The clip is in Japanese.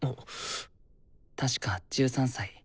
確か１３歳。